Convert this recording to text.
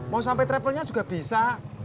mau sampai travelnya juga bisa